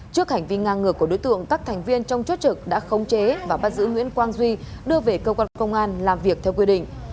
trước hành vi ngang ngược của đối tượng các thành viên trong chốt trực đã khống chế và bắt giữ nguyễn quang duy đưa về cơ quan công an làm việc theo quy định